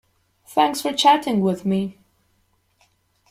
Thanks for chatting with me.